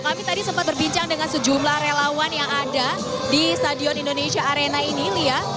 kami tadi sempat berbincang dengan sejumlah relawan yang ada di stadion indonesia arena ini lia